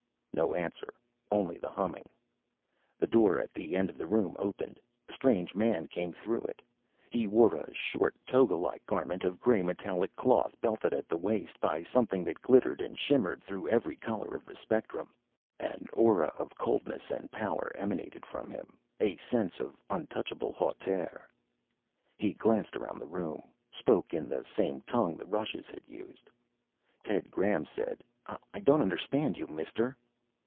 No answer. Only the humming. The door at the end of the room opened. A strange man came through it. He wore a short toga like garment of gray, metallic cloth belted at the waist by something that glittered and shimmered through every color of the spectrum. An aura of coldness and power emanated from him a sense of untouchable hauteur. He glanced around the room, spoke in the same tongue the Rushes had used. Ted Graham said, "I don't understand you, mister."